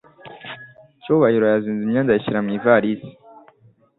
Cyubahiro yazinze imyenda ayishyira mu ivarisi.